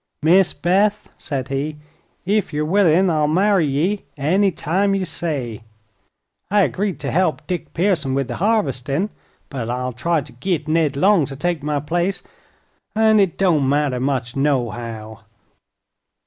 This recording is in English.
"Miss Beth," said he, "ef yer willin', I'll marry ye; any time ye say. I agreed t' help Dick Pearson with the harvestin', but I'll try to' git Ned Long to take my place, an' it don't matter much, nohow."